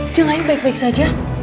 jangan baik baik saja